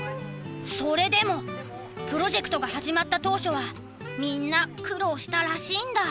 それでもプロジェクトが始まった当初はみんな苦労したらしいんだ。